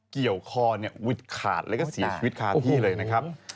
เกี่ยวคอวิดขาดแล้วก็เสียชีวิตคาที่เลยนะครับ